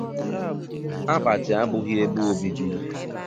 Akpati abụghị ebe obibi